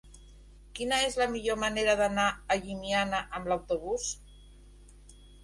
Quina és la millor manera d'anar a Llimiana amb autobús?